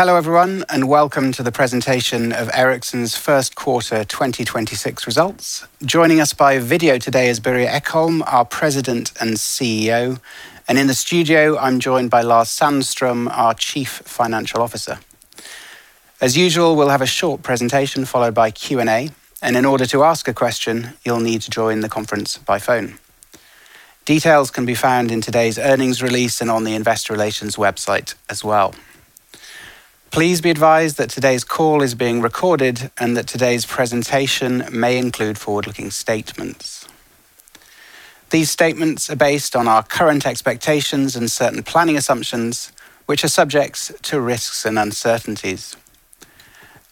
Hello, everyone, and welcome to the presentation of Ericsson's first quarter 2026 results. Joining us by video today is Börje Ekholm, our President and CEO, and in the studio I'm joined by Lars Sandström, our Chief Financial Officer. As usual, we'll have a short presentation followed by Q&A, and in order to ask a question, you'll need to join the conference by phone. Details can be found in today's earnings release and on the investor relations website as well. Please be advised that today's call is being recorded and that today's presentation may include forward-looking statements. These statements are based on our current expectations and certain planning assumptions, which are subject to risks and uncertainties.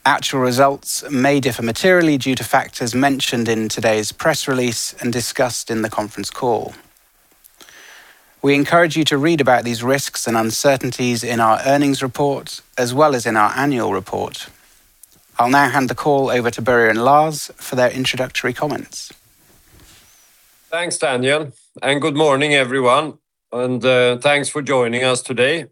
Actual results may differ materially due to factors mentioned in today's press release and discussed in the conference call. We encourage you to read about these risks and uncertainties in our earnings report, as well as in our annual report. I'll now hand the call over to Börje and Lars for their introductory comments. Thanks, Daniel, and good morning everyone, and thanks for joining us today.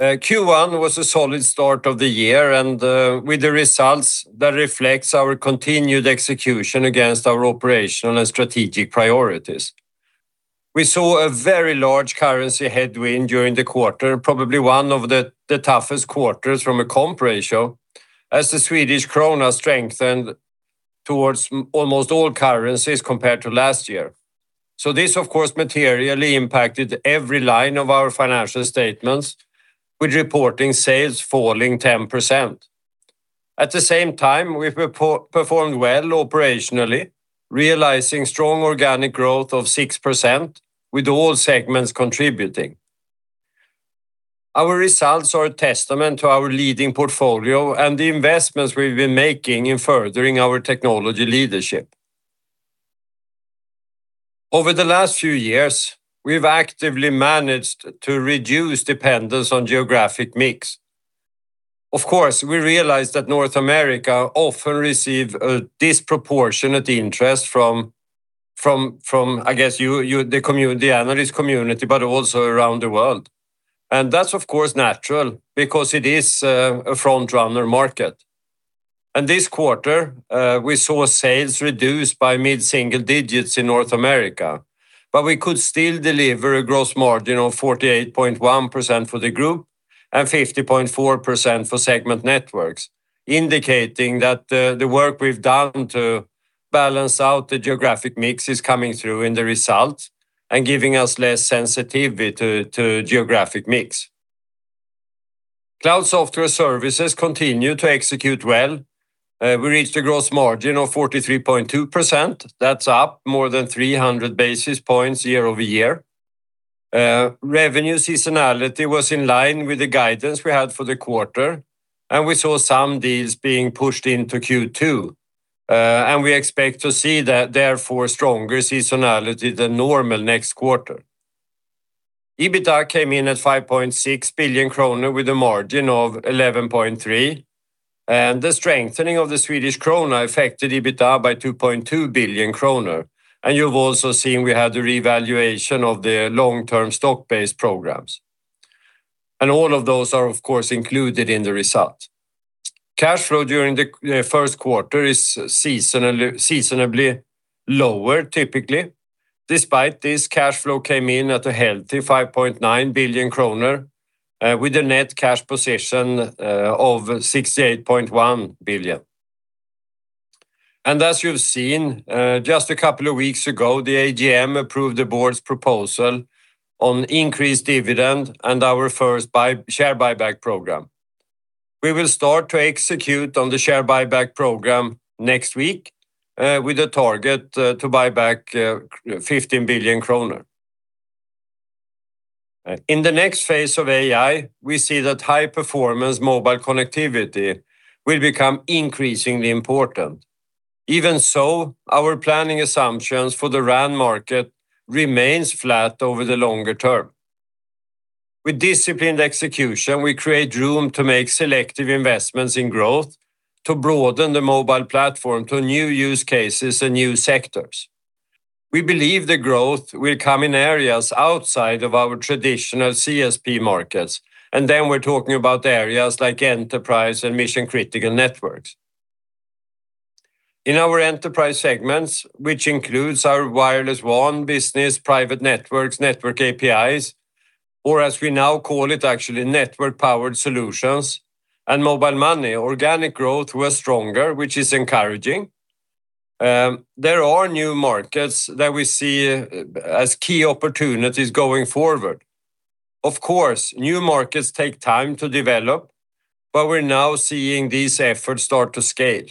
Q1 was a solid start of the year and with the results that reflects our continued execution against our operational and strategic priorities. We saw a very large currency headwind during the quarter, probably one of the toughest quarters from a comp ratio as the Swedish krona strengthened towards almost all currencies compared to last year. This, of course, materially impacted every line of our financial statements with reporting sales falling 10%. At the same time, we've performed well operationally, realizing strong organic growth of 6% with all segments contributing. Our results are a testament to our leading portfolio and the investments we've been making in furthering our technology leadership. Over the last few years, we've actively managed to reduce dependence on geographic mix. Of course, we realize that North America often receive a disproportionate interest from, I guess, the analyst community, but also around the world. That's of course natural because it is a front runner market. This quarter, we saw sales reduced by mid-single digits in North America. We could still deliver a gross margin of 48.1% for the group and 50.4% for segment Networks, indicating that the work we've done to balance out the geographic mix is coming through in the results and giving us less sensitivity to geographic mix. Cloud Software and Services continue to execute well. We reached a gross margin of 43.2%. That's up more than 300 basis points year-over-year. Revenue seasonality was in line with the guidance we had for the quarter, and we saw some deals being pushed into Q2. We expect to see, therefore, stronger seasonality than normal next quarter. EBITA came in at 5.6 billion kronor with a margin of 11.3%, and the strengthening of the Swedish krona affected EBITA by 2.2 billion kronor. You've also seen we had the revaluation of the long-term stock-based programs. All of those are, of course, included in the result. Cash flow during the first quarter is seasonally lower typically. Despite this, cash flow came in at a healthy 5.9 billion kronor, with a net cash position of 68.1 billion. As you've seen, just a couple of weeks ago, the AGM approved the board's proposal on increased dividend and our first share buyback program. We will start to execute on the share buyback program next week, with a target to buy back 15 billion kronor. In the next phase of AI, we see that high-performance mobile connectivity will become increasingly important. Even so, our planning assumptions for the RAN market remains flat over the longer term. With disciplined execution, we create room to make selective investments in growth to broaden the mobile platform to new use cases and new sectors. We believe the growth will come in areas outside of our traditional CSP markets, and then we're talking about areas like enterprise and mission-critical networks. In our enterprise segments, which includes our Wireless WAN business, private networks, network APIs, or as we now call it actually, network-powered solutions and mobile money, organic growth was stronger, which is encouraging. There are new markets that we see as key opportunities going forward. Of course, new markets take time to develop, but we're now seeing these efforts start to scale.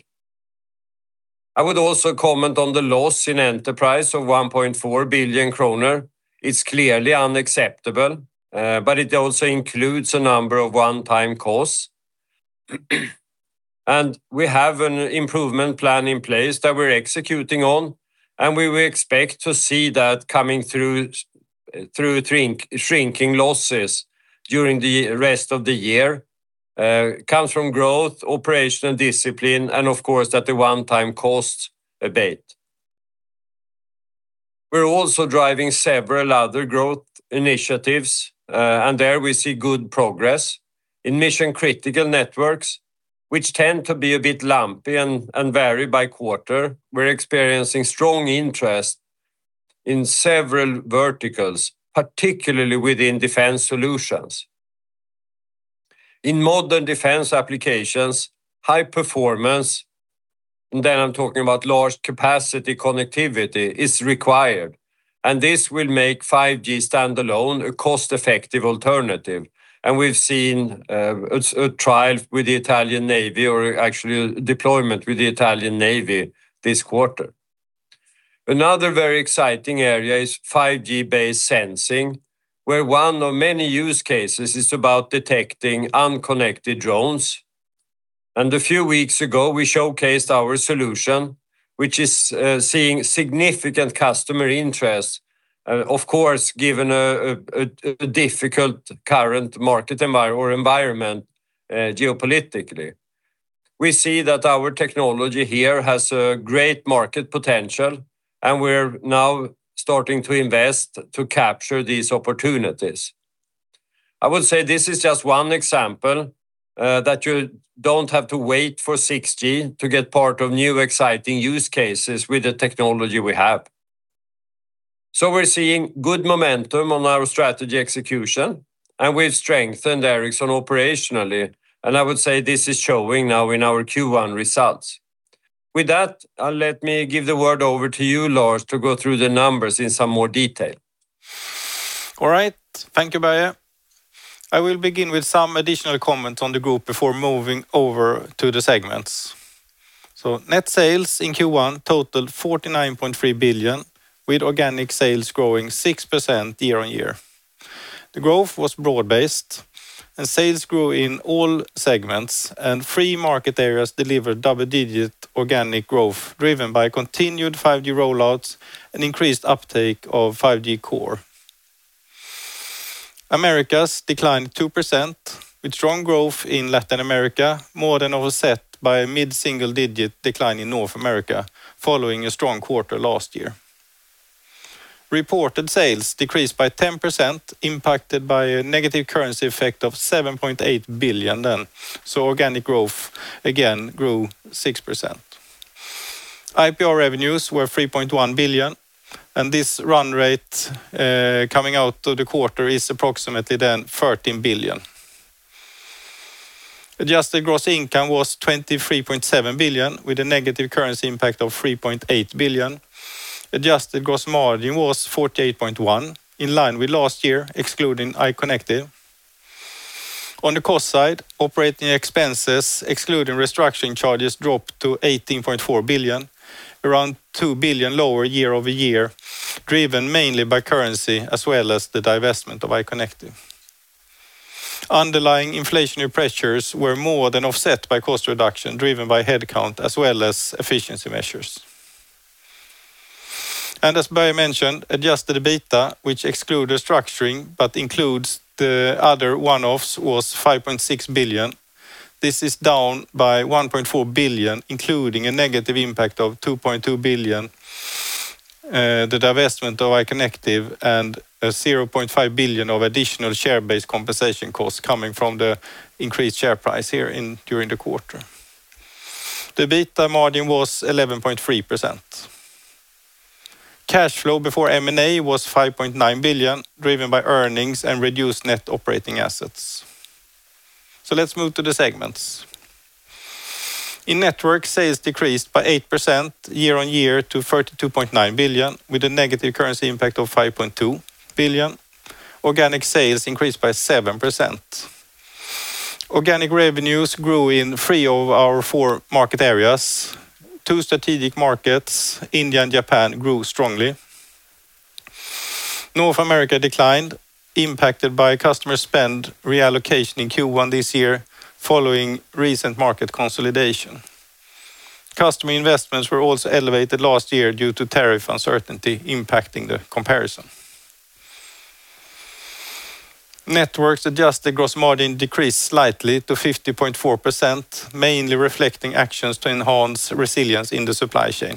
I would also comment on the loss in enterprise of 1.4 billion kronor. It's clearly unacceptable, but it also includes a number of one-time costs. We have an improvement plan in place that we're executing on, and we will expect to see that coming through shrinking losses during the rest of the year. It comes from growth, operational discipline and of course, at the one-time cost abate. We're also driving several other growth initiatives, and there we see good progress. In mission-critical networks, which tend to be a bit lumpy and vary by quarter, we're experiencing strong interest in several verticals, particularly within defense solutions. In modern defense applications, high performance, and then I'm talking about large capacity connectivity, is required. This will make 5G standalone a cost-effective alternative. We've seen a trial with the Italian Navy, or actually a deployment with the Italian Navy this quarter. Another very exciting area is 5G-based sensing, where one of many use cases is about detecting unconnected drones. A few weeks ago, we showcased our solution, which is seeing significant customer interest. Of course, given a difficult current market environment geopolitically, we see that our technology here has a great market potential, and we're now starting to invest to capture these opportunities. I would say this is just one example that you don't have to wait for 6G to get part of new exciting use cases with the technology we have. We're seeing good momentum on our strategy execution, and we've strengthened Ericsson operationally. I would say this is showing now in our Q1 results. With that, let me give the word over to you, Lars, to go through the numbers in some more detail. All right. Thank you, Börje. I will begin with some additional comments on the group before moving over to the segments. Net sales in Q1 totaled 49.3 billion, with organic sales growing 6% year-on-year. The growth was broad-based, and sales grew in all segments, and three market areas delivered double-digit organic growth, driven by continued 5G roll-outs and increased uptake of 5G Core. Americas declined 2%, with strong growth in Latin America, more than offset by a mid-single-digit decline in North America following a strong quarter last year. Reported sales decreased by 10%, impacted by a negative currency effect of 7.8 billion then. Organic growth again grew 6%. IPR revenues were 3.1 billion, and this run rate coming out of the quarter is approximately then 13 billion. Adjusted gross income was 23.7 billion, with a negative currency impact of 3.8 billion. Adjusted gross margin was 48.1%, in line with last year, excluding iconectiv. On the cost side, operating expenses, excluding restructuring charges, dropped to 18.4 billion, around 2 billion lower year-over-year, driven mainly by currency as well as the divestment of iconectiv. Underlying inflationary pressures were more than offset by cost reduction, driven by head count as well as efficiency measures. As Börje mentioned, adjusted EBITDA, which exclude restructuring but includes the other one-offs, was 5.6 billion. This is down by 1.4 billion, including a negative impact of 2.2 billion from the divestment of iconectiv and 0.5 billion of additional share-based compensation costs coming from the increased share price here during the quarter. The EBITDA margin was 11.3%. Cash flow before M&A was 5.9 billion, driven by earnings and reduced net operating assets. Let's move to the segments. In Network, sales decreased by 8% year-over-year to 32.9 billion, with a negative currency impact of 5.2 billion. Organic sales increased by 7%. Organic revenues grew in three of our four market areas. Two strategic markets, India and Japan, grew strongly. North America declined, impacted by customer spend reallocation in Q1 this year, following recent market consolidation. Customer investments were also elevated last year due to tariff uncertainty impacting the comparison. Network's adjusted gross margin decreased slightly to 50.4%, mainly reflecting actions to enhance resilience in the supply chain.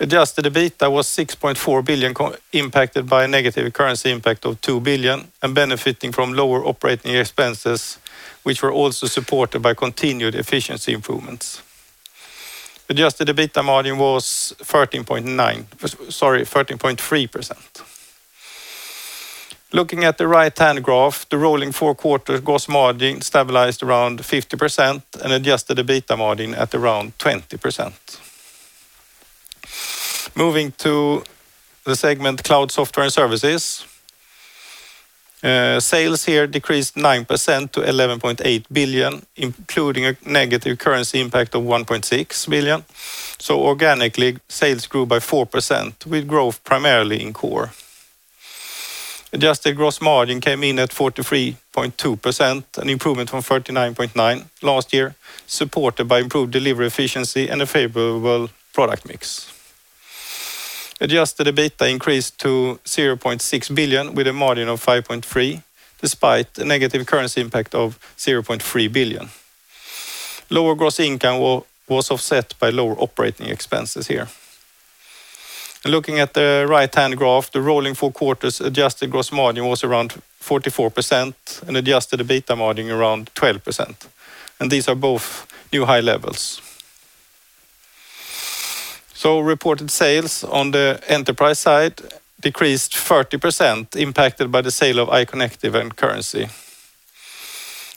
Adjusted EBITDA was 6.4 billion, impacted by a negative currency impact of 2 billion and benefiting from lower operating expenses, which were also supported by continued efficiency improvements. Adjusted EBITDA margin was 13.3%. Looking at the right-hand graph, the rolling four-quarter gross margin stabilized around 50% and adjusted EBITDA margin at around 20%. Moving to the segment Cloud Software and Services. Sales here decreased 9% to 11.8 billion, including a negative currency impact of 1.6 billion. Organically, sales grew by 4%, with growth primarily in Core. Adjusted gross margin came in at 43.2%, an improvement from 39.9% last year, supported by improved delivery efficiency and a favorable product mix. Adjusted EBITDA increased to 0.6 billion with a margin of 5.3%, despite a negative currency impact of 0.3 billion. Lower gross income was offset by lower operating expenses here. Looking at the right-hand graph, the rolling four quarters adjusted gross margin was around 44% and adjusted EBITDA margin around 12%. These are both new high levels. Reported sales on the enterprise side decreased 30%, impacted by the sale of iconectiv and currency.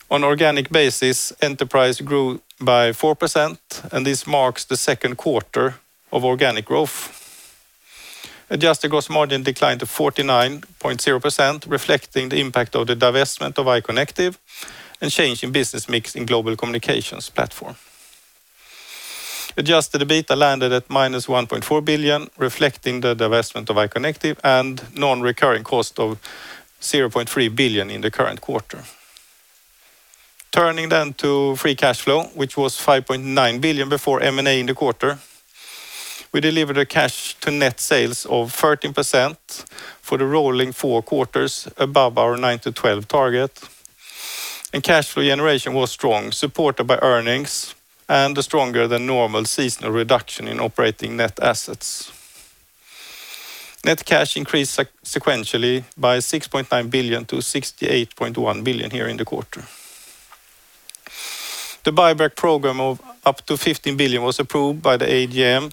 On organic basis, enterprise grew by 4%, and this marks the second quarter of organic growth. Adjusted gross margin declined to 49.0%, reflecting the impact of the divestment of iconectiv and change in business mix in Global Communications Platform. Adjusted EBITDA landed at -1.4 billion, reflecting the divestment of iconectiv and non-recurring cost of 0.3 billion in the current quarter. Turning then to free cash flow, which was 5.9 billion before M&A in the quarter. We delivered a cash to net sales of 13% for the rolling four quarters above our 9%-12% target. Cash flow generation was strong, supported by earnings and a stronger than normal seasonal reduction in operating net assets. Net cash increased sequentially by 6.9 billion to 68.1 billion here in the quarter. The buyback program of up to 15 billion was approved by the AGM,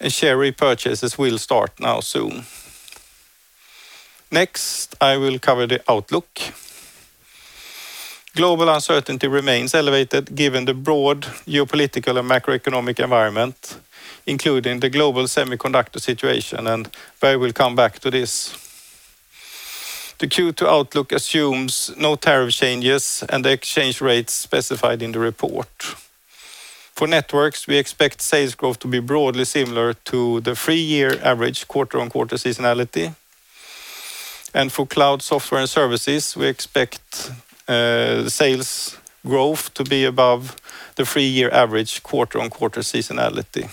and share repurchases will start very soon. Next, I will cover the outlook. Global uncertainty remains elevated given the broad geopolitical and macroeconomic environment, including the global semiconductor situation, and I will come back to this. The Q2 outlook assumes no tariff changes and the exchange rates specified in the report. For Networks, we expect sales growth to be broadly similar to the three-year average quarter-on-quarter seasonality. For Cloud Software and Services, we expect sales growth to be above the three-year average quarter-on-quarter seasonality.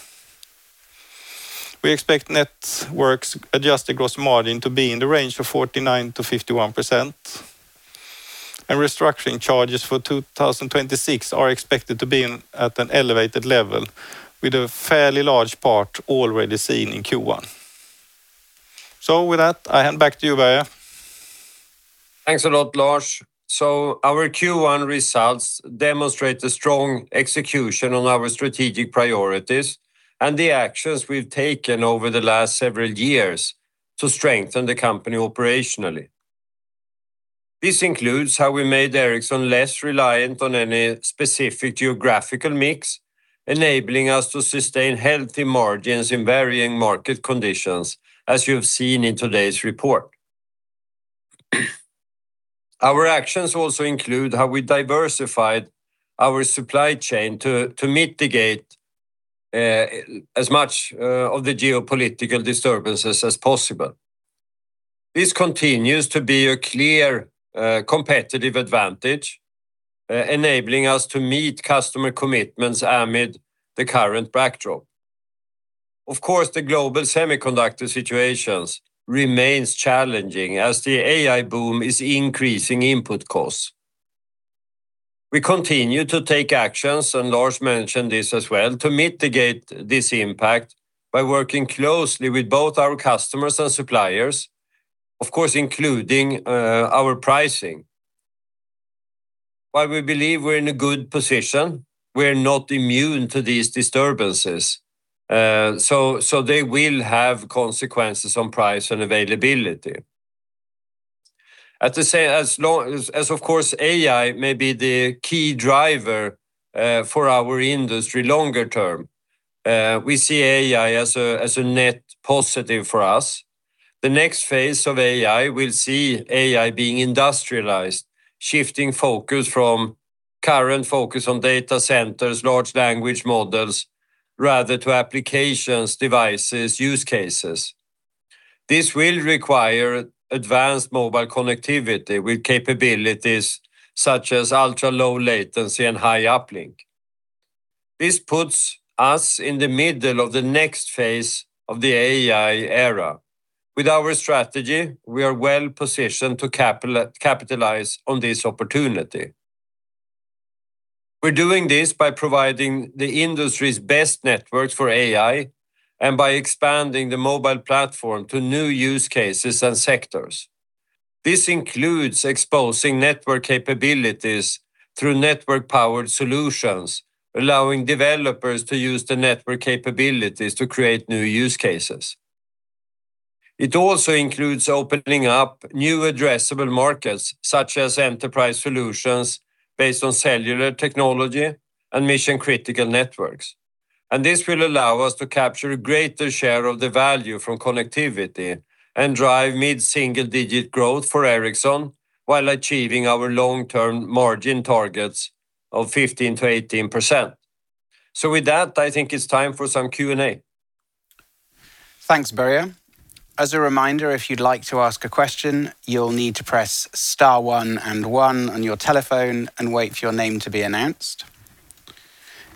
We expect Networks adjusted gross margin to be in the range of 49%-51%. Restructuring charges for 2026 are expected to be at an elevated level with a fairly large part already seen in Q1. With that, I hand back to you, Börje. Thanks a lot, Lars. Our Q1 results demonstrate the strong execution on our strategic priorities and the actions we've taken over the last several years to strengthen the company operationally. This includes how we made Ericsson less reliant on any specific geographical mix, enabling us to sustain healthy margins in varying market conditions, as you have seen in today's report. Our actions also include how we diversified our supply chain to mitigate as much of the geopolitical disturbances as possible. This continues to be a clear competitive advantage, enabling us to meet customer commitments amid the current backdrop. Of course, the global semiconductor situation remains challenging as the AI boom is increasing input costs. We continue to take actions, and Lars mentioned this as well, to mitigate this impact by working closely with both our customers and suppliers, of course, including our pricing. While we believe we're in a good position, we're not immune to these disturbances, so they will have consequences on price and availability. Of course, AI may be the key driver for our industry longer term. We see AI as a net positive for us. The next phase of AI will see AI being industrialized, shifting focus from current focus on data centers, large language models, rather to applications, devices, use cases. This will require advanced mobile connectivity with capabilities such as ultra-low latency and high uplink. This puts us in the middle of the next phase of the AI era. With our strategy, we are well-positioned to capitalize on this opportunity. We're doing this by providing the industry's best networks for AI and by expanding the mobile platform to new use cases and sectors. This includes exposing network capabilities through network-powered solutions, allowing developers to use the network capabilities to create new use cases. It also includes opening up new addressable markets, such as enterprise solutions based on cellular technology and mission-critical networks. This will allow us to capture a greater share of the value from connectivity and drive mid-single-digit growth for Ericsson while achieving our long-term margin targets of 15%-18%. With that, I think it's time for some Q&A. Thanks, Börje. As a reminder, if you'd like to ask a question, you'll need to press star one and one on your telephone and wait for your name to be announced.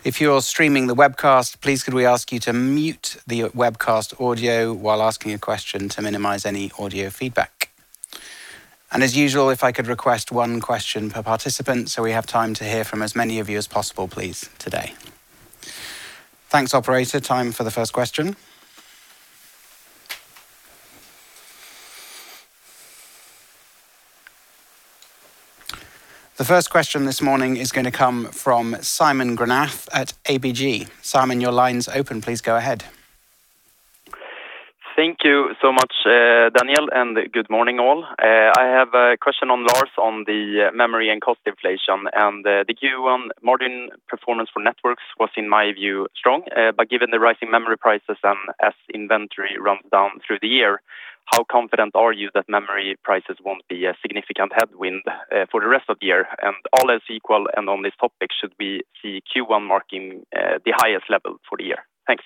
If you're streaming the webcast, please could we ask you to mute the webcast audio while asking a question to minimize any audio feedback. As usual, if I could request one question per participant so we have time to hear from as many of you as possible, please, today. Thanks, operator. Time for the first question. The first question this morning is going to come from Simon Granath at ABG. Simon, your line's open. Please go ahead. Thank you so much, Daniel, and good morning all. I have a question on Lars on the memory and cost inflation. The Q1 margin performance for Networks was, in my view, strong. Given the rising memory prices and as inventory runs down through the year, how confident are you that memory prices won't be a significant headwind for the rest of the year? All else equal, and on this topic, should we see Q1 marking the highest level for the year? Thanks.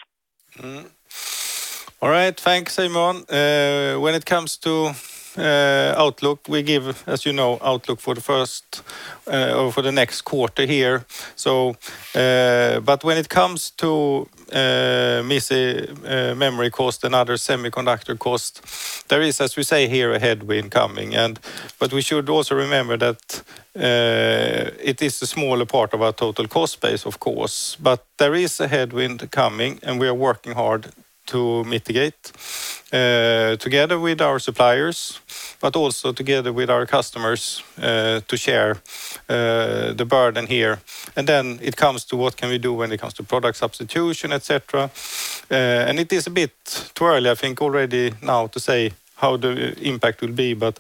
All right. Thanks, Simon. When it comes to outlook, we give, as you know, outlook for the next quarter here. When it comes to memory cost and other semiconductor cost, there is, as we say here, a headwind coming. We should also remember that it is a smaller part of our total cost base, of course. There is a headwind coming, and we are working hard to mitigate together with our suppliers, but also together with our customers to share the burden here. Then it comes to what can we do when it comes to product substitution, et cetera. It is a bit too early, I think, already now to say how the impact will be, but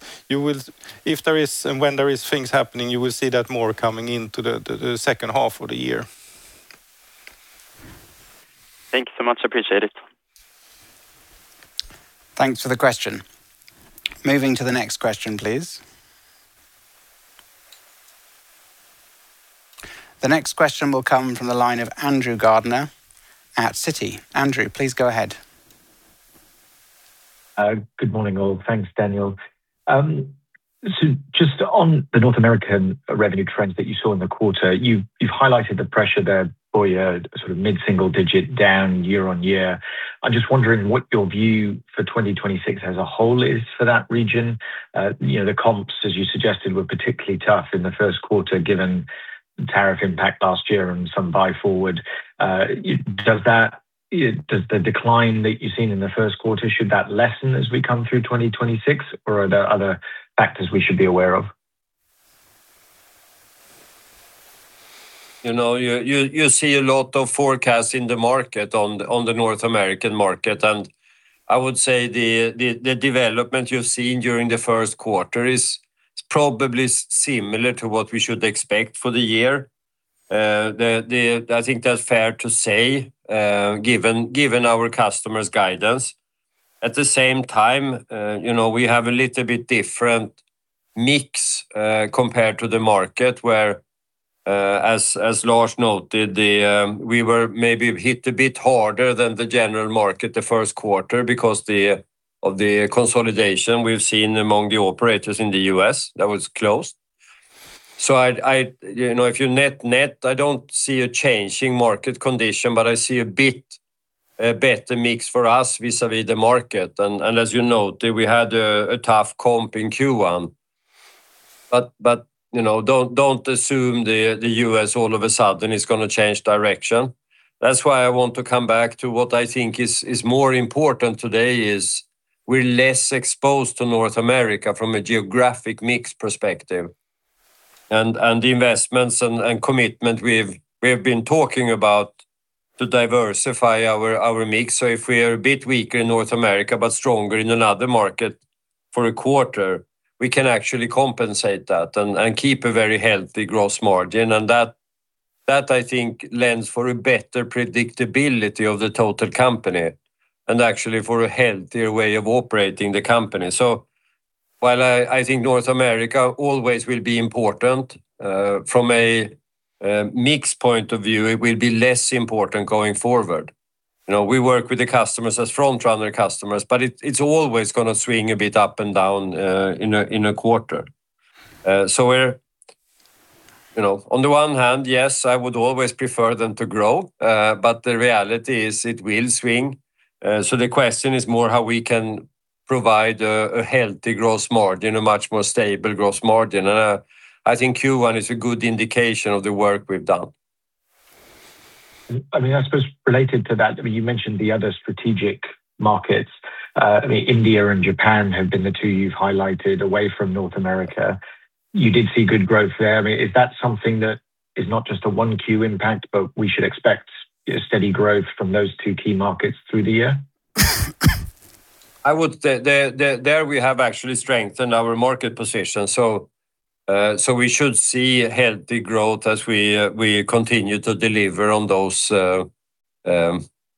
if there is and when there is things happening, you will see that more coming into the second half of the year. Thank you so much. Appreciate it. Thanks for the question. Moving to the next question, please. The next question will come from the line of Andrew Gardiner at Citi. Andrew, please go ahead. Good morning, all. Thanks, Daniel. Just on the North American revenue trends that you saw in the quarter, you've highlighted the pressure there for you, sort of mid-single-digit down year-on-year. I'm just wondering what your view for 2026 as a whole is for that region. The comps, as you suggested, were particularly tough in the first quarter, given the tariff impact last year and some buy forward. Does the decline that you've seen in the first quarter lessen as we come through 2026? Or are there other factors we should be aware of? You see a lot of forecasts in the market on the North American market, and I would say the development you've seen during the first quarter is probably similar to what we should expect for the year. I think that's fair to say, given our customers' guidance. At the same time, we have a little bit different mix compared to the market where, as Lars noted, we were maybe hit a bit harder than the general market the first quarter because of the consolidation we've seen among the operators in the U.S. that was closed. If you net-net, I don't see a change in market condition, but I see a bit better mix for us vis-a-vis the market. As you noted, we had a tough comp in Q1. Don't assume the U.S. all of a sudden is going to change direction. That's why I want to come back to what I think is more important today is we're less exposed to North America from a geographic mix perspective, the investments and commitment we've been talking about to diversify our mix. If we are a bit weaker in North America, but stronger in another market for a quarter, we can actually compensate that and keep a very healthy gross margin. That, I think, lends for a better predictability of the total company and actually for a healthier way of operating the company. While I think North America always will be important from a mix point of view, it will be less important going forward. We work with the customers as frontrunner customers, but it's always going to swing a bit up and down in a quarter. On the one hand, yes, I would always prefer them to grow. The reality is it will swing. The question is more how we can provide a healthy gross margin, a much more stable gross margin. I think Q1 is a good indication of the work we've done. I suppose related to that, you mentioned the other strategic markets. India and Japan have been the two you've highlighted away from North America. You did see good growth there. Is that something that is not just a one Q impact, but we should expect steady growth from those two key markets through the year? There we have actually strengthened our market position. We should see healthy growth as we continue to deliver on those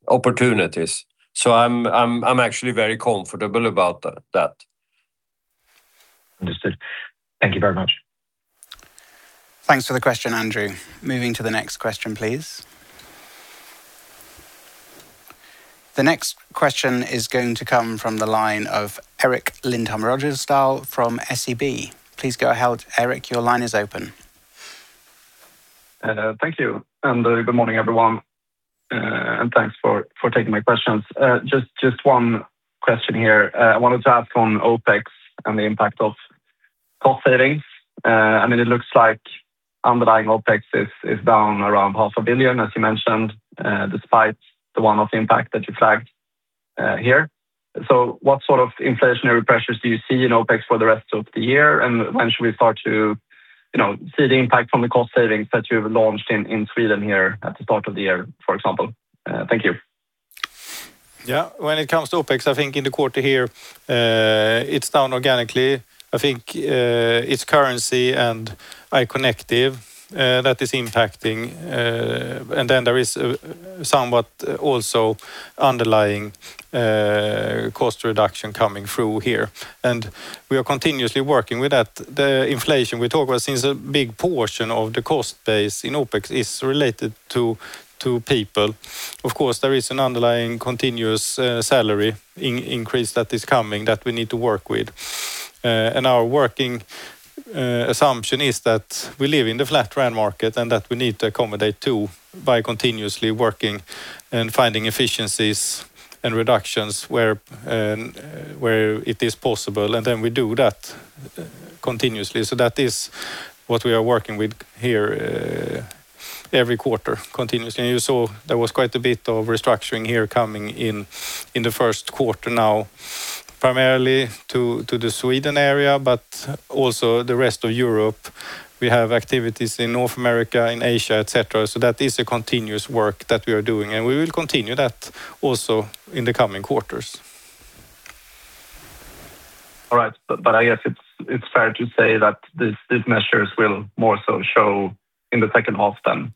opportunities. I'm actually very comfortable about that. Understood. Thank you very much. Thanks for the question, Andrew. Moving to the next question, please. The next question is going to come from the line of Erik Lindholm-Röjestål from SEB. Please go ahead, Erik. Your line is open. Thank you, and good morning, everyone. Thanks for taking my questions. Just one question here. I wanted to ask on OpEx and the impact of cost savings. It looks like underlying OpEx is down around 500 million, as you mentioned, despite the one-off impact that you flagged here. What sort of inflationary pressures do you see in OpEx for the rest of the year, and when should we start to see the impact from the cost savings that you've launched in Sweden here at the start of the year, for example? Thank you. Yeah. When it comes to OpEx, I think in the quarter here, it's down organically. I think it's currency and iconectiv that is impacting. There is somewhat also underlying cost reduction coming through here. We are continuously working with that. The inflation we talk about, since a big portion of the cost base in OpEx is related to people. Of course, there is an underlying continuous salary increase that is coming that we need to work with. Our working assumption is that we live in the flat RAN market and that we need to accommodate too, by continuously working and finding efficiencies and reductions where it is possible. We do that continuously. That is what we are working with here every quarter continuously. You saw there was quite a bit of restructuring here coming in the first quarter now, primarily to the Sweden area, but also the rest of Europe. We have activities in North America, in Asia, et cetera. That is a continuous work that we are doing, and we will continue that also in the coming quarters. All right. I guess it's fair to say that these measures will more so show in the second half than.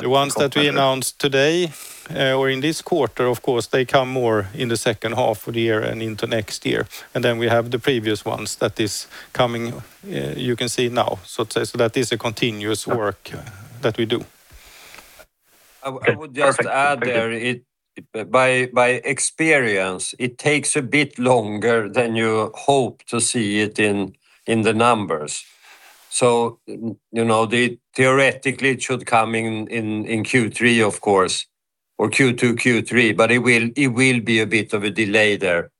The ones that we announced today or in this quarter, of course, they come more in the second half of the year and into next year. We have the previous ones that is coming. You can see now, so to say. That is a continuous work that we do. Okay. Perfect. Thank you. I would just add there. By experience, it takes a bit longer than you hope to see it in the numbers. Theoretically it should come in Q3 of course, or Q2, Q3, but it will be a bit of a delay there.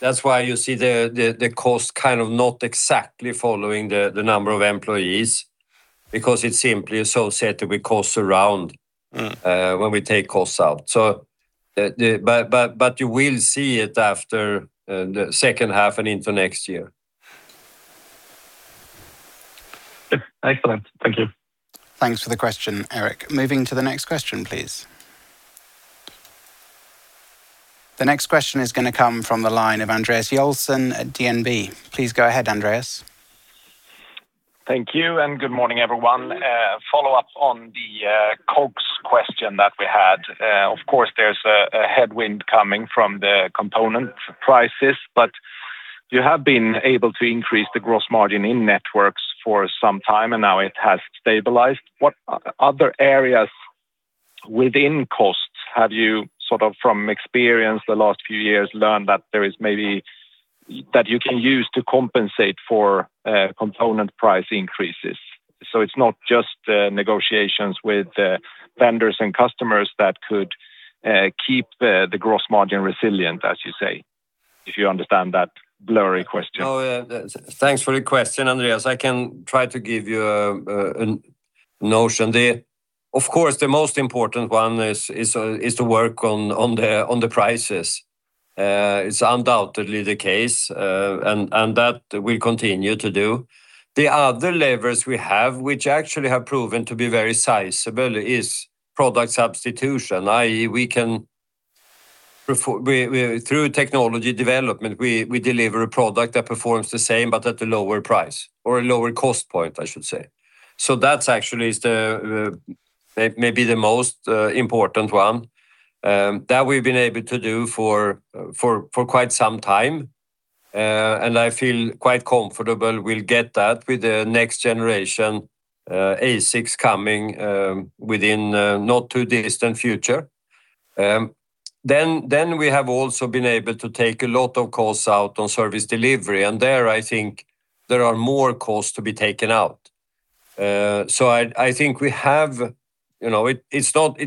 That's why you see the cost kind of not exactly following the number of employees, because it's simply associated with costs around— Mm. —when we take costs out. You will see it after the second half and into next year. Excellent. Thank you. Thanks for the question, Erik. Moving to the next question, please. The next question is going to come from the line of Andreas Joelsson at DNB. Please go ahead, Andreas. Thank you, and good morning, everyone. Follow-up on the cost question that we had. Of course, there's a headwind coming from the component prices, but you have been able to increase the gross margin in Networks for some time, and now it has stabilized. What other areas within costs have you, from experience the last few years, learned that you can use to compensate for component price increases? It's not just negotiations with vendors and customers that could keep the gross margin resilient, as you say. If you understand that blurry question. Oh, yeah. Thanks for the question, Andreas. I can try to give you a notion. Of course, the most important one is to work on the prices. It's undoubtedly the case, and that we continue to do. The other levers we have, which actually have proven to be very sizable, is product substitution, i.e., through technology development, we deliver a product that performs the same but at a lower price, or a lower cost point, I should say. That's actually maybe the most important one that we've been able to do for quite some time. I feel quite comfortable we'll get that with the next generation ASICs coming within a not too distant future. We have also been able to take a lot of costs out on service delivery. There, I think there are more costs to be taken out. I think it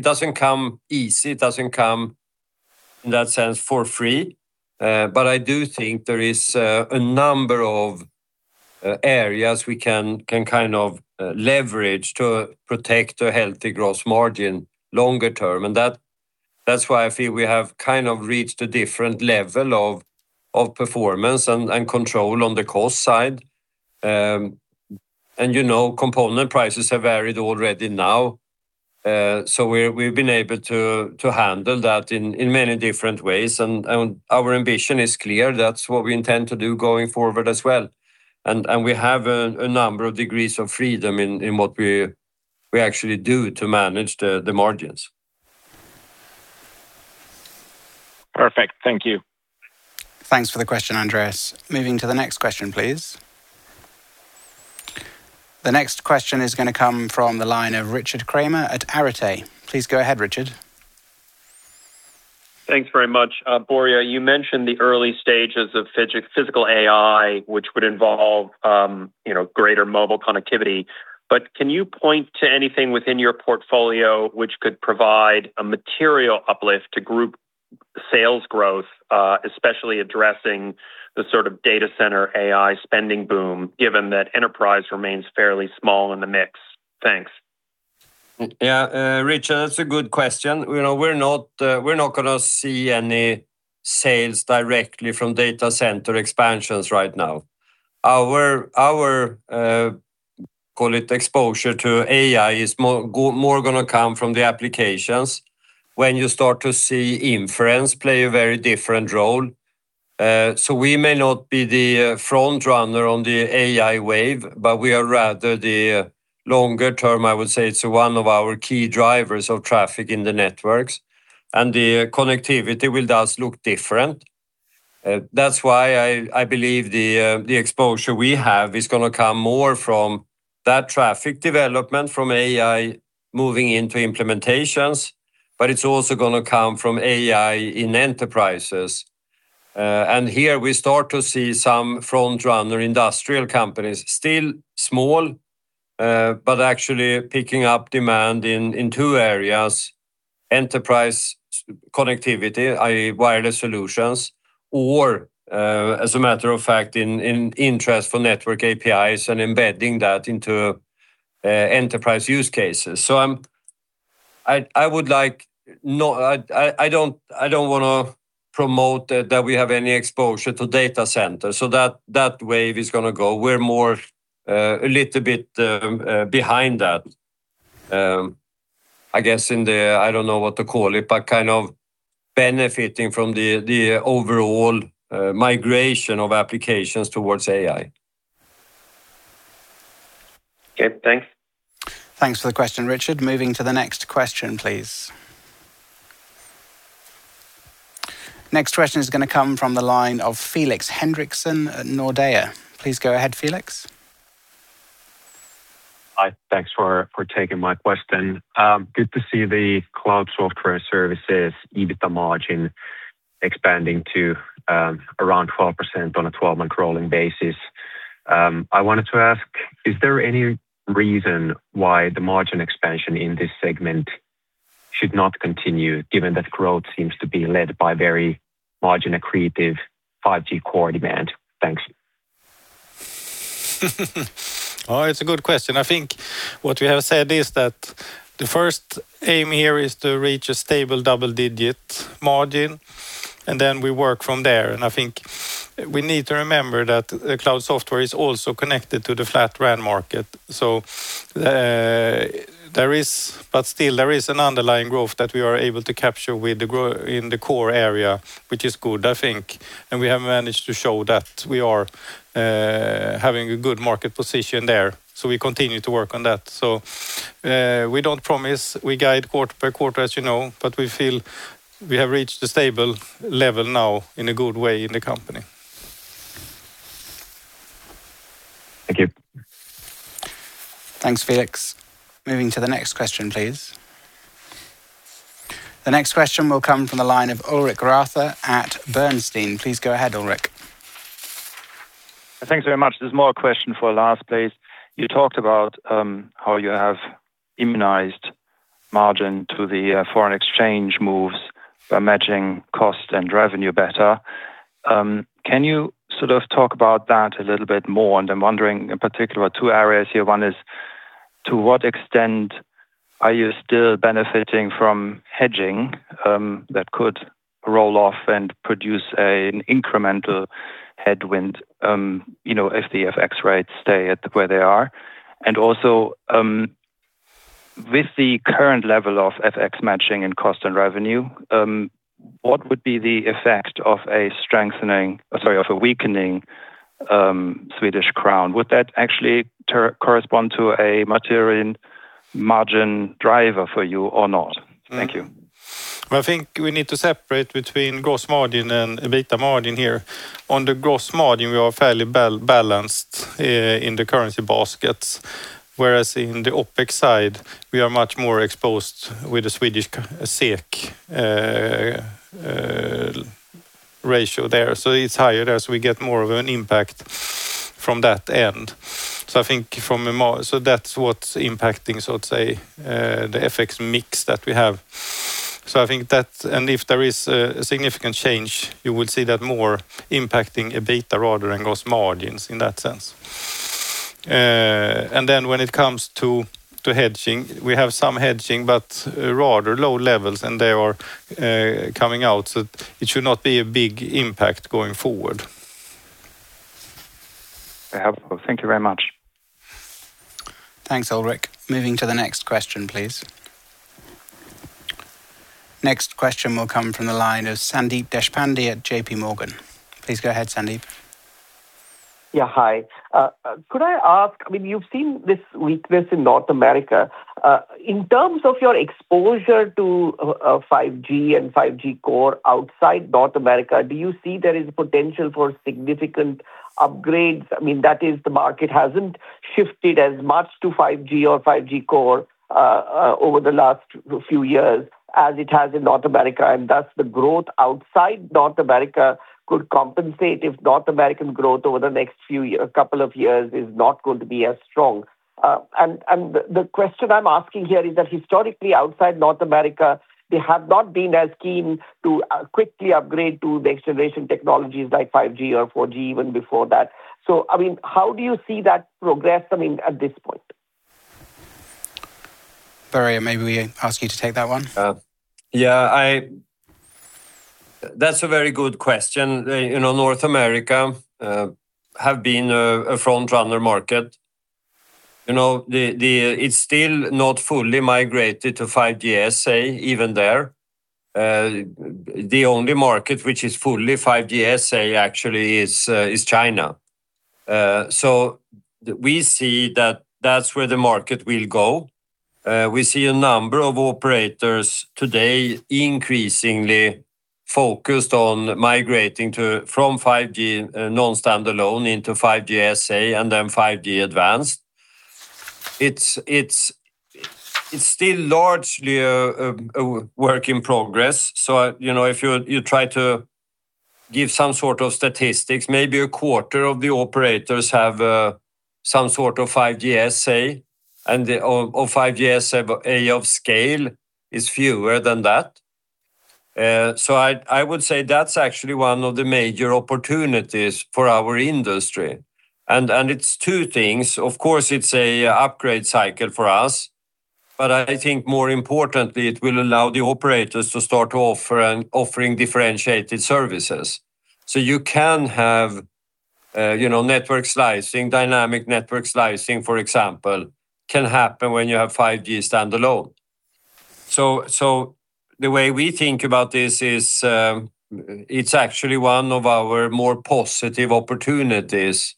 doesn't come easy. It doesn't come, in that sense, for free. I do think there is a number of areas we can leverage to protect a healthy gross margin longer term, and that's why I feel we have reached a different level of performance and control on the cost side. Component prices have varied already now. We've been able to handle that in many different ways, and our ambition is clear. That's what we intend to do going forward as well. We have a number of degrees of freedom in what we actually do to manage the margins. Perfect. Thank you. Thanks for the question, Andreas. Moving to the next question, please. The next question is going to come from the line of Richard Kramer at Arete. Please go ahead, Richard. Thanks very much. Börje, you mentioned the early stages of physical AI, which would involve greater mobile connectivity, but can you point to anything within your portfolio which could provide a material uplift to group sales growth, especially addressing the sort of data center AI spending boom, given that enterprise remains fairly small in the mix? Thanks. Yeah, Richard, that's a good question. We're not going to see any sales directly from data center expansions right now. Our, call it exposure to AI, is more going to come from the applications when you start to see inference play a very different role. We may not be the front runner on the AI wave, but we are rather the longer term, I would say, it's one of our key drivers of traffic in the networks, and the connectivity will thus look different. That's why I believe the exposure we have is going to come more from that traffic development from AI moving into implementations. It's also going to come from AI in enterprises. Here we start to see some front-runner industrial companies, still small, but actually picking up demand in two areas, enterprise connectivity, i.e. wireless solutions, or, as a matter of fact, interest in network APIs and embedding that into enterprise use cases. I don't want to promote that we have any exposure to data centers. That wave is going to go. We're more a little bit behind that, I guess in the, I don't know what to call it, but kind of benefiting from the overall migration of applications towards AI. Okay, thanks. Thanks for the question, Richard. Moving to the next question, please. Next question is going to come from the line of Felix Henriksson at Nordea. Please go ahead, Felix. Hi. Thanks for taking my question. Good to see the Cloud Software and Services EBITDA margin expanding to around 12% on a 12-month rolling basis. I wanted to ask, is there any reason why the margin expansion in this segment should not continue, given that growth seems to be led by very margin accretive 5G Core demand? Thanks. Oh, it's a good question. I think what we have said is that the first aim here is to reach a stable double-digit margin, and then we work from there. I think we need to remember that Cloud Software is also connected to the flat RAN market. Still there is an underlying growth that we are able to capture in the core area, which is good, I think. We have managed to show that we are having a good market position there. We continue to work on that. We don't promise. We guide quarter per quarter, as you know, but we feel we have reached a stable level now in a good way in the company. Thank you. Thanks, Felix. Moving to the next question, please. The next question will come from the line of Ulrich Rathe at Bernstein. Please go ahead, Ulrich. Thanks very much. There's one more question for Lars, please. You talked about how you have immunized margin to the foreign exchange moves by matching cost and revenue better. Can you sort of talk about that a little bit more? I'm wondering in particular two areas here. One is, to what extent are you still benefiting from hedging that could roll off and produce an incremental headwind if the FX rates stay at where they are? Also, with the current level of FX matching and cost and revenue, what would be the effect of a weakening Swedish krona? Would that actually correspond to a material margin driver for you or not? Thank you. I think we need to separate between gross margin and EBITDA margin here. On the gross margin, we are fairly balanced in the currency baskets. Whereas in the OpEx side, we are much more exposed with the Swedish SEK ratio there. It's higher there, so we get more of an impact from that end. That's what's impacting, so let's say, the FX mix that we have. If there is a significant change, you would see that more impacting EBITDA rather than gross margins in that sense. Then when it comes to hedging, we have some hedging, but rather low levels and they are coming out. It should not be a big impact going forward. Very helpful. Thank you very much. Thanks, Ulrich. Moving to the next question, please. Next question will come from the line of Sandeep Deshpande at JPMorgan. Please go ahead, Sandeep. Yeah. Hi. Could I ask? You've seen this weakness in North America. In terms of your exposure to 5G and 5G Core outside North America, do you see there is potential for significant upgrades? That is, the market hasn't shifted as much to 5G or 5G Core over the last few years as it has in North America, and thus the growth outside North America could compensate if North American growth over the next couple of years is not going to be as strong. The question I'm asking here is that historically, outside North America, they have not been as keen to quickly upgrade to the next generation technologies like 5G or 4G even before that. How do you see that progress at this point? Börje, maybe we ask you to take that one. Yeah. That's a very good question. North America have been a frontrunner market. It's still not fully migrated to 5G SA even there. The only market which is fully 5G SA actually is China. We see that that's where the market will go. We see a number of operators today increasingly focused on migrating from 5G non-standalone into 5G SA and then 5G Advanced. It's still largely a work in progress, so if you try to give some sort of statistics, maybe a quarter of the operators have some sort of 5G SA and or 5G SA of scale is fewer than that. I would say that's actually one of the major opportunities for our industry. It's two things. Of course, it's a upgrade cycle for us, but I think more importantly, it will allow the operators to start offering differentiated services. You can have network slicing, dynamic network slicing, for example, can happen when you have 5G standalone. The way we think about this is, it's actually one of our more positive opportunities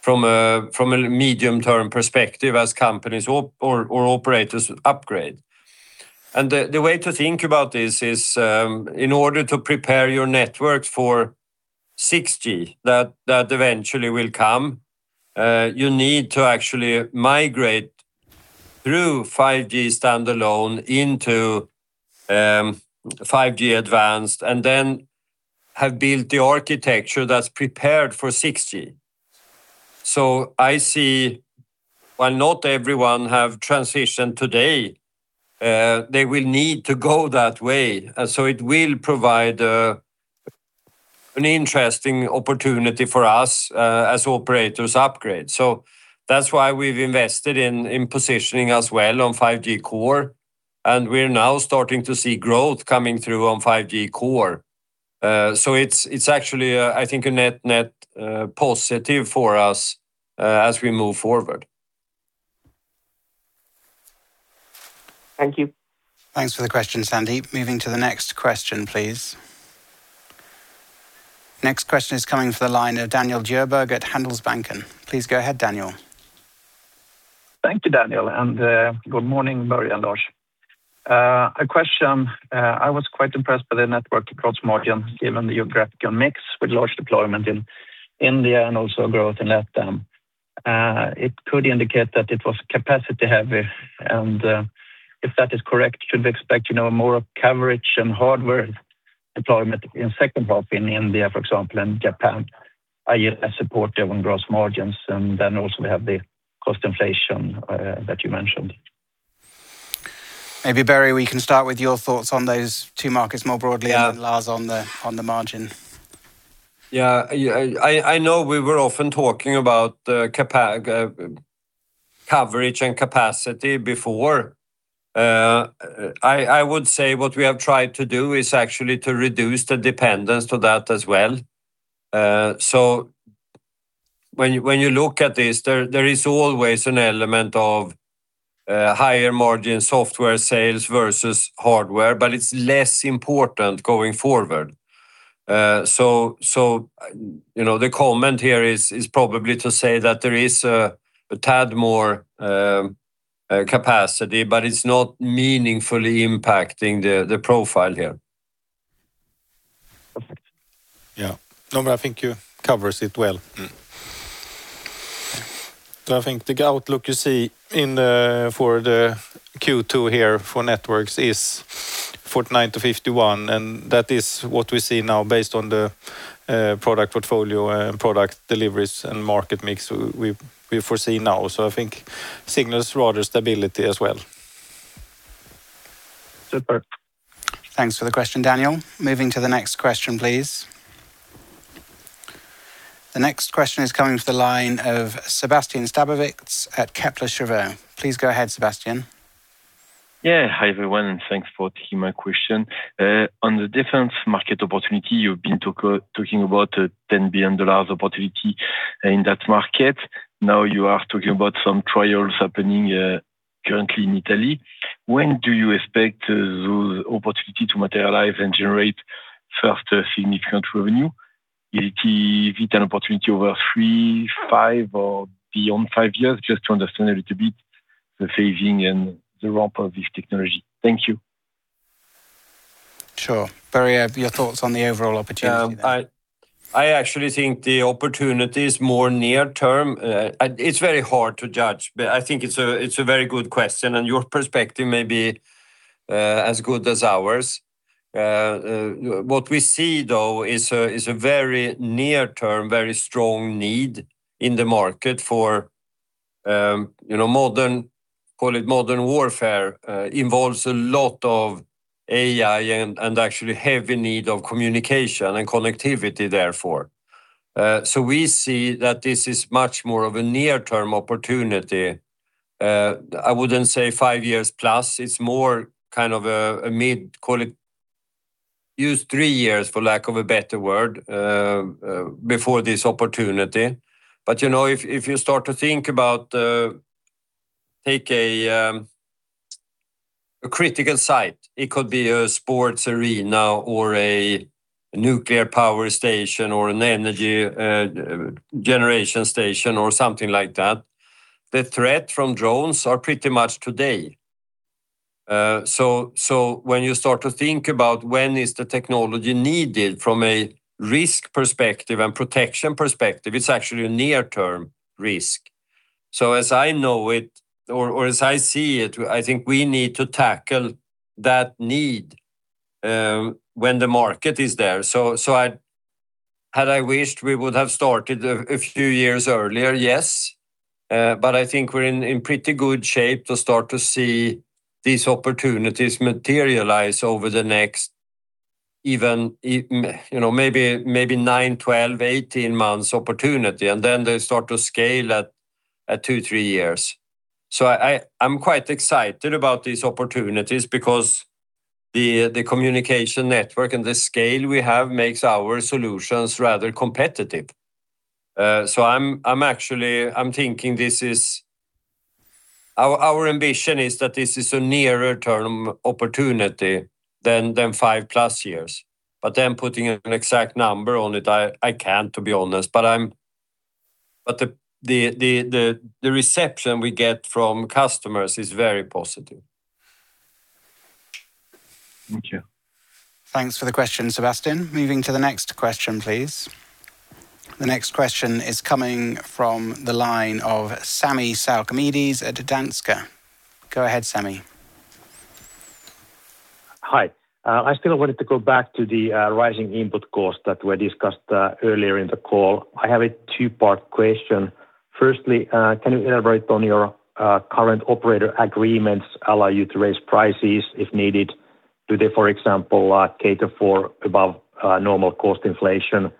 from a medium-term perspective as companies or operators upgrade. The way to think about this is, in order to prepare your networks for 6G, that eventually will come, you need to actually migrate through 5G standalone into 5G Advanced, and then have built the architecture that's prepared for 6G. I see while not everyone have transitioned today, they will need to go that way. It will provide an interesting opportunity for us as operators upgrade. That's why we've invested in positioning as well on 5G Core, and we're now starting to see growth coming through on 5G Core. It's actually, I think a net positive for us as we move forward. Thank you. Thanks for the question, Sandeep. Moving to the next question, please. Next question is coming to the line of Daniel Djurberg at Handelsbanken. Please go ahead, Daniel. Thank you, Daniel, and good morning, Börje and Lars. A question. I was quite impressed by the Networks gross margin, given the geographical mix with large deployment in India and also growth in LATAM. It could indicate that it was capacity-heavy, and if that is correct, should we expect to know more of coverage and hardware deployment in second half in India, for example, and Japan, i.e., support-driven gross margins, and then also we have the cost inflation that you mentioned. Maybe Börje, we can start with your thoughts on those two markets more broadly. Yeah Lars on the margin. Yeah. I know we were often talking about coverage and capacity before. I would say what we have tried to do is actually to reduce the dependence to that as well. When you look at this, there is always an element of higher margin software sales versus hardware, but it's less important going forward. The comment here is probably to say that there is a tad more capacity, but it's not meaningfully impacting the profile here. Yeah. No, I think you've covered it well. Mm-hmm. I think the outlook you see for the Q2 here for Networks is 49-51, and that is what we see now based on the product portfolio and product deliveries and market mix we foresee now. I think it signals broader stability as well. Super. Thanks for the question, Daniel. Moving to the next question, please. The next question is coming to the line of Sébastien Sztabowicz at Kepler Cheuvreux. Please go ahead, Sébastien. Yeah. Hi, everyone, and thanks for taking my question. On the defense market opportunity, you've been talking about a $10 billion opportunity in that market. Now you are talking about some trials happening currently in Italy. When do you expect those opportunities to materialize and generate first significant revenue? Is it an opportunity over three, five, or beyond five years? Just to understand a little bit the phasing and the ramp of this technology. Thank you. Sure. Börje, your thoughts on the overall opportunity there? I actually think the opportunity is more near term. It's very hard to judge, but I think it's a very good question, and your perspective may be as good as ours. What we see, though, is a very near term, very strong need in the market for modern, call it modern warfare, involves a lot of AI and actually heavy need of communication and connectivity therefore. We see that this is much more of a near-term opportunity. I wouldn't say five years plus. It's more a mid, call it, use three years, for lack of a better word, before this opportunity. If you start to think about take a critical site. It could be a sports arena or a nuclear power station or an energy generation station or something like that. The threat from drones are pretty much today. When you start to think about when is the technology needed from a risk perspective and protection perspective, it's actually a near-term risk. As I know it or as I see it, I think we need to tackle that need when the market is there. Had I wished we would have started a few years earlier? Yes. I think we're in pretty good shape to start to see these opportunities materialize over the next even maybe 9, 12, 18 months opportunity. Then they start to scale at two, three years. I'm quite excited about these opportunities because the communication network and the scale we have makes our solutions rather competitive. I'm thinking our ambition is that this is a nearer term opportunity than 5+ years. Then putting an exact number on it, I can't, to be honest. The reception we get from customers is very positive. Thank you. Thanks for the question, Sébastien. Moving to the next question, please. The next question is coming from the line of Sami Sarkamies at Danske. Go ahead, Sami. Hi. I still wanted to go back to the rising input costs that were discussed earlier in the call. I have a two-part question. Firstly, can you elaborate on whether your current operator agreements allow you to raise prices if needed? Do they, for example, cater for above normal cost inflation?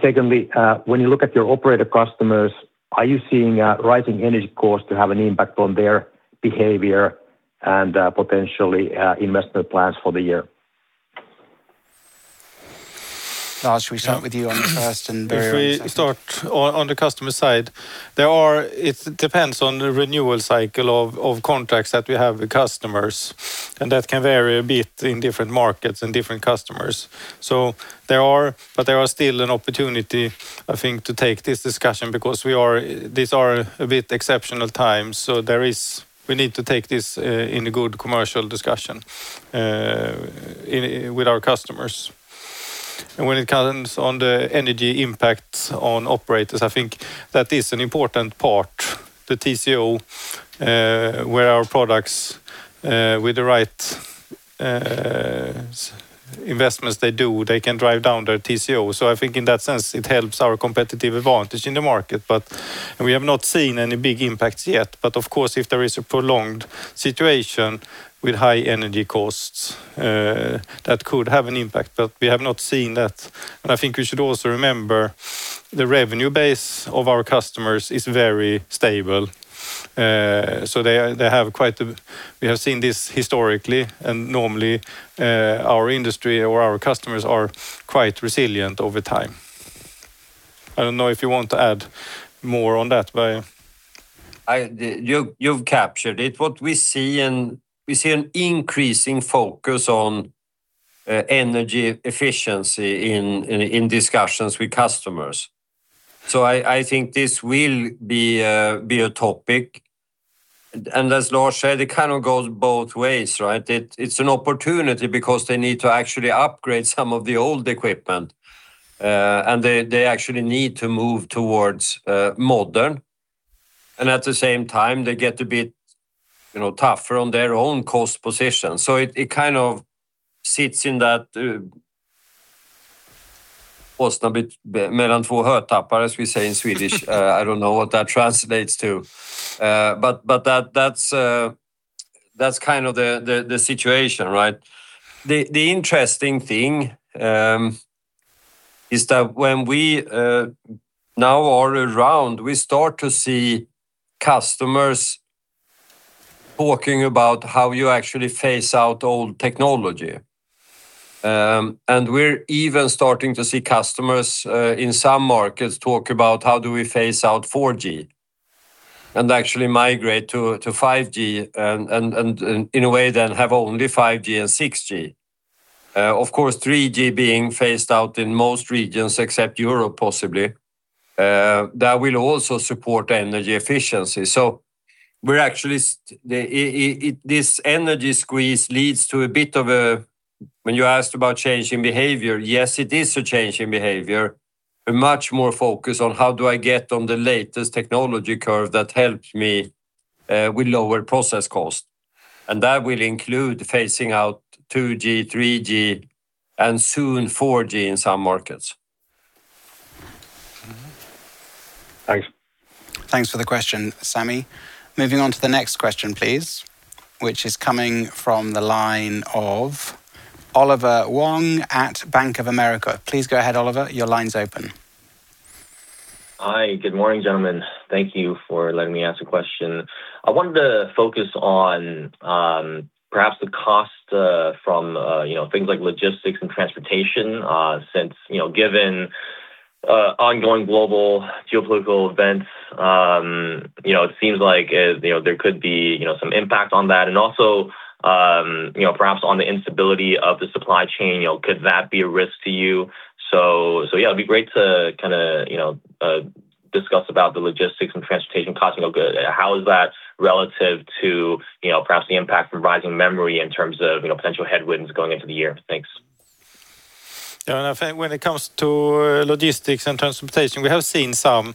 Secondly, when you look at your operator customers, are you seeing rising energy costs to have an impact on their behavior and potentially investment plans for the year? Lars, should we start with you on the first and Börje on the second? If we start on the customer side, it depends on the renewal cycle of contracts that we have with customers, and that can vary a bit in different markets and different customers. There are still an opportunity, I think, to take this discussion because these are a bit exceptional times. We need to take this in a good commercial discussion with our customers. When it comes on the energy impacts on operators, I think that is an important part. The TCO where our products with the right investments they do, they can drive down their TCO. I think in that sense, it helps our competitive advantage in the market. We have not seen any big impacts yet. Of course, if there is a prolonged situation with high energy costs that could have an impact, but we have not seen that. I think we should also remember the revenue base of our customers is very stable. We have seen this historically and normally our industry or our customers are quite resilient over time. I don't know if you want to add more on that, Börje. You've captured it. What we see, and we see an increasing focus on energy efficiency in discussions with customers. I think this will be a topic, and as Lars said, it kind of goes both ways, right? It's an opportunity because they need to actually upgrade some of the old equipment, and they actually need to move towards modern. At the same time, they get a bit tougher on their own cost position. It kind of sits in that as we say in Swedish. I don't know what that translates to. That's kind of the situation, right? The interesting thing is that when we now all around, we start to see customers talking about how you actually phase out old technology. We're even starting to see customers in some markets talk about how do we phase out 4G and actually migrate to 5G, and in a way then have only 5G and 6G. Of course, 3G being phased out in most regions, except Europe possibly, that will also support energy efficiency. This energy squeeze leads to a bit of a. When you asked about change in behavior, yes, it is a change in behavior. We're much more focused on how do I get on the latest technology curve that helps me with lower process cost. That will include phasing out 2G, 3G, and soon 4G in some markets. Thanks. Thanks for the question, Sami. Moving on to the next question, please, which is coming from the line of Oliver Wong at Bank of America. Please go ahead, Oliver. Your line's open. Hi. Good morning, gentlemen. Thank you for letting me ask a question. I wanted to focus on perhaps the cost from things like logistics and transportation, since, given ongoing global geopolitical events, it seems like there could be some impact on that. Also, perhaps on the instability of the supply chain, could that be a risk to you? Yeah, it'd be great to discuss about the logistics and transportation costing. How is that relative to perhaps the impact from rising memory in terms of potential headwinds going into the year? Thanks. Yeah, I think when it comes to logistics and transportation, we have seen some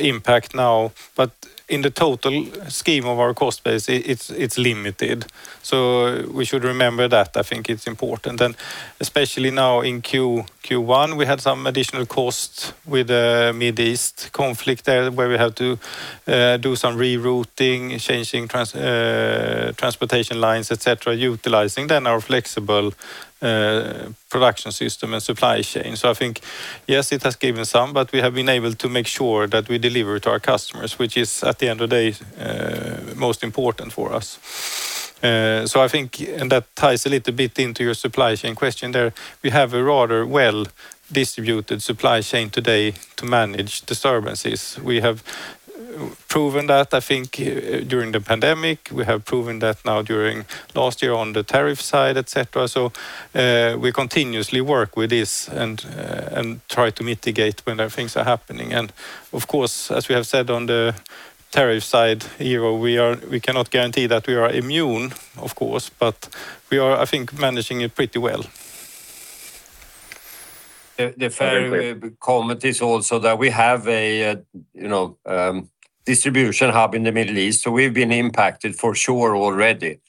impact now, but in the total scheme of our cost base, it's limited. We should remember that. I think it's important. Especially now in Q1, we had some additional costs with the Middle East conflict there, where we have to do some rerouting, changing transportation lines, et cetera, utilizing then our flexible production system and supply chain. I think, yes, it has given some, but we have been able to make sure that we deliver to our customers, which is, at the end of the day, most important for us. That ties a little bit into your supply chain question there. We have a rather well-distributed supply chain today to manage disturbances. We have proven that, I think, during the pandemic. We have proven that now during last year on the tariff side, et cetera. We continuously work with this and try to mitigate when things are happening. Of course, as we have said on the tariff side here, we cannot guarantee that we are immune, of course, but we are, I think, managing it pretty well. Very clear. The fair comment is also that we have a distribution hub in the Middle East, so we've been impacted for sure already,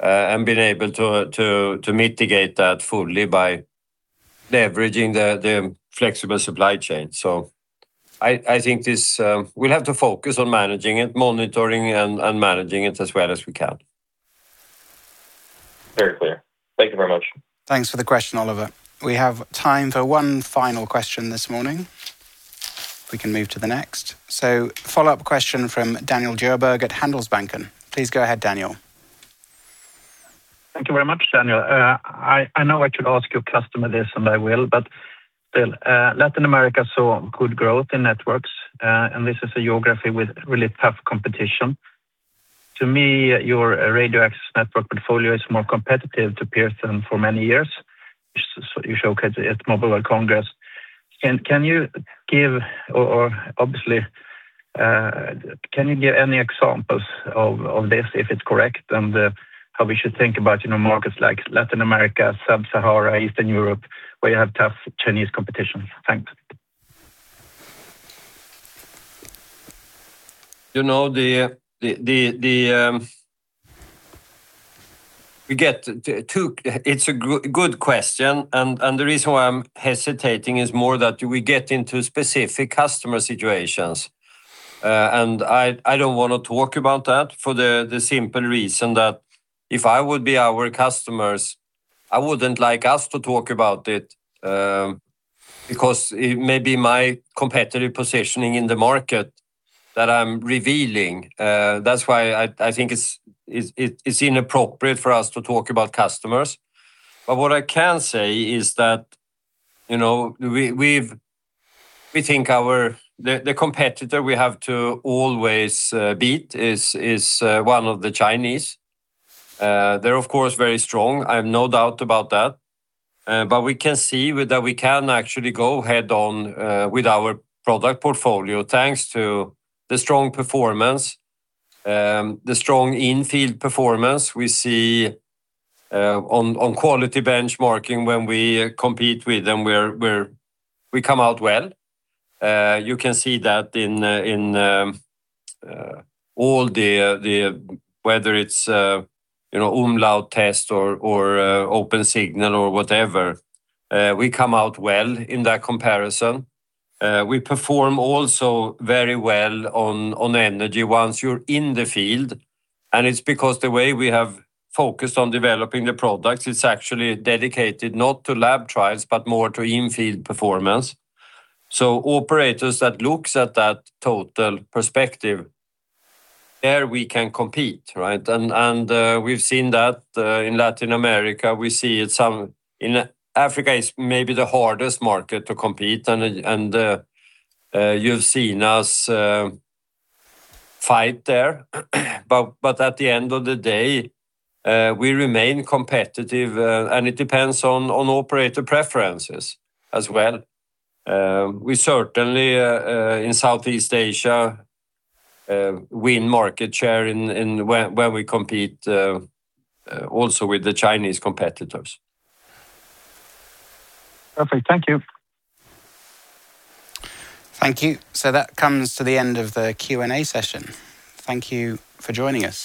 and been able to mitigate that fully by leveraging the flexible supply chain. I think we'll have to focus on managing it, monitoring and managing it as well as we can. Very clear. Thank you very much. Thanks for the question, Oliver. We have time for one final question this morning. If we can move to the next. Follow-up question from Daniel Djurberg at Handelsbanken. Please go ahead, Daniel. Thank you very much, Daniel. I know I should ask your customer this, and I will, but still, Latin America saw good growth in Networks. This is a geography with really tough competition. To me, your radio access network portfolio is more competitive to peers than for many years, which you showcase at Mobile World Congress. Can you give any examples of this, if it's correct, and how we should think about markets like Latin America, sub-Saharan, Eastern Europe, where you have tough Chinese competition? Thanks. It's a good question, and the reason why I'm hesitating is more that we get into specific customer situations. I don't want to talk about that for the simple reason that if I would be our customers, I wouldn't like us to talk about it, because it may be my competitive positioning in the market that I'm revealing. That's why I think it's inappropriate for us to talk about customers. What I can say is that, we think the competitor we have to always beat is one of the Chinese. They're, of course, very strong. I have no doubt about that. We can see that we can actually go head on with our product portfolio, thanks to the strong performance, the strong in-field performance we see on quality benchmarking when we compete with them, we come out well. You can see that in all the whether it's umlaut test or Opensignal or whatever. We come out well in that comparison. We perform also very well on energy once you're in the field. It's because the way we have focused on developing the products, it's actually dedicated not to lab trials, but more to in-field performance. Operators that looks at that total perspective, there we can compete, right? We've seen that in Latin America. Africa is maybe the hardest market to compete, and you've seen us fight there. At the end of the day, we remain competitive, and it depends on operator preferences as well. We certainly, in Southeast Asia, win market share where we compete also with the Chinese competitors. Perfect. Thank you. That comes to the end of the Q&A session. Thank you for joining us